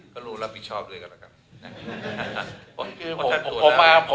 ก็รู้รับผิดชอบเลยก็แล้วกันนะครับ